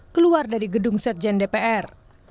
keluar dari gedung sekjen dpr